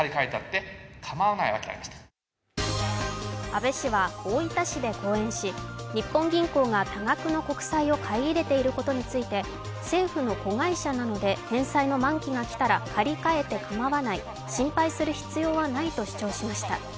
安倍氏は大分市で講演し、日本銀行が多額の国債を買い入れていることについて政府の子会社なんで返済の満期が来たら借り換えてかまわない心配する必要はないと主張しました。